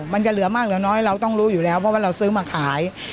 มันจะเหลือมากเหลือน้อยเราต้องรู้อยู่แล้วเพราะว่าเราซื้อมาขาย